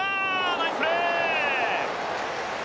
ナイスプレー。